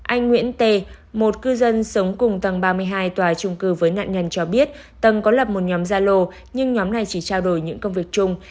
anh nguyễn t một cư dân sống cùng tầng ba mươi hai tòa trung cư với nạn nhân cho biết tầng có lập một nhóm gia lô nhưng nhóm này chỉ trao đổi những công việc chung